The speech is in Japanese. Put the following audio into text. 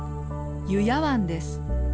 油谷湾です。